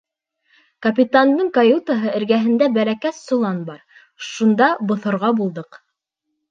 Капитандың каютаһы эргәһендә бәләкәс солан бар, шунда боҫорға булдыҡ.